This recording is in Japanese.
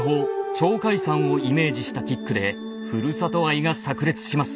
鳥海山をイメージしたキックでふるさと愛がさく裂します。